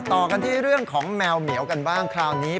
ต่อกันที่เรื่องของแมวเหมียวกันบ้างคราวนี้